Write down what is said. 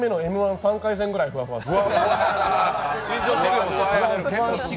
初ルミネぐらいふわふわです。